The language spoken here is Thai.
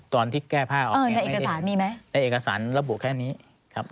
ตอนที่แก้ผ้าออกเนี่ยไม่ได้เห็นในเอกสารมีไหมในเอกสารระบุแค่นี้ครับ